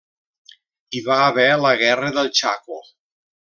Hi va haver la Guerra del Chaco.